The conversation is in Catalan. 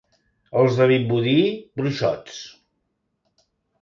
Els de Vimbodí, bruixots.